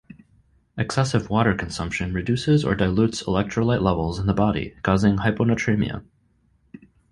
Excessive water consumption reduces or dilutes electrolyte levels in the body causing hyponatremia.